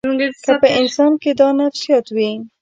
که په انسان کې دا نفسیات وي.